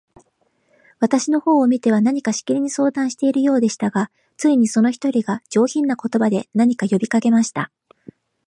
私の方を見ては、何かしきりに相談しているようでしたが、ついに、その一人が、上品な言葉で、何か呼びかけました。